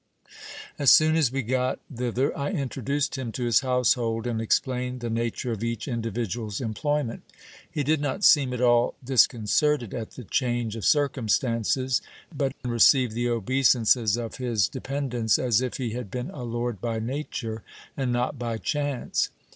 As soon as we got thither, I introduced him to his household, and explained the nature of each individual's employment. He did not seem at all discon certed at the change of circumstances, but received the obeisances of his de 430 GIL BLAS. pendants as if be had been a lord by nature, and not by chance.